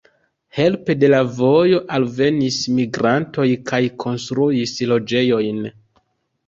Helpe de la vojo alvenis migrantoj kaj konstruis loĝejojn.